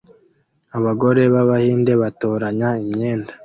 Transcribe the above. Abagore b'Abahinde batoranya imyenda